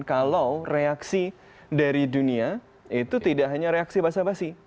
kalau reaksi dari dunia itu tidak hanya reaksi basah basi